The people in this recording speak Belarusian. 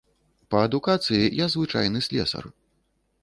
Па адукацыі я звычайны слесар.